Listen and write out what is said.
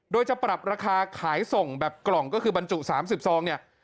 โดยจะปรับราคาขายส่งแบบกล่องก็คือบรรจุ๓๐ซองเนี่ย